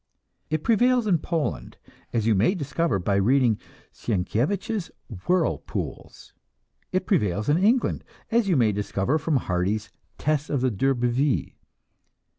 It prevails in Poland, as you may discover by reading Sienkiewicz's "Whirlpools"; it prevails in England, as you may discover from Hardy's "Tess of the d'Urbervilles."